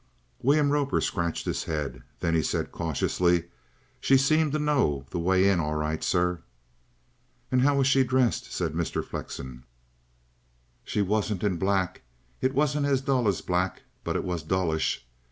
William Roper scratched his head. Then he said cautiously: "She seemed to know that way in all right, sir." "And how was she dressed?" said Mr. Flexen. "She wasn't in black. It wasn't as dull as black, but it was dullish.